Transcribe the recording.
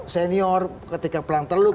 senior ketika pelang teluk